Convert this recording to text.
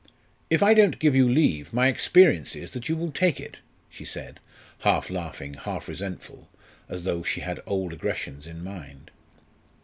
"If I don't give you leave, my experience is that you will take it!" she said, half laughing, half resentful, as though she had old aggressions in mind.